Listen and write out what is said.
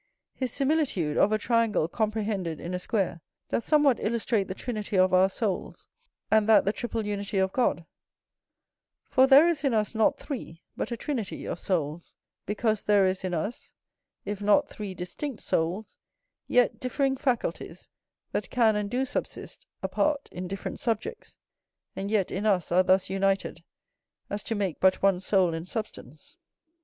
His similitude, of a triangle comprehended in a square, doth somewhat illustrate the trinity of our souls, and that the triple unity of God; for there is in us not three, but a trinity of, souls; because there is in us, if not three distinct souls, yet differing faculties, that can and do subsist apart in different subjects, and yet in us are thus united as to make but one soul and substance.